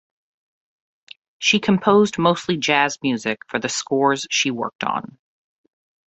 She composed mostly jazz music for the scores she worked on.